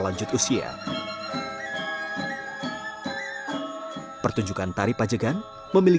ada banyak ragam pertunjukan tari topeng di bali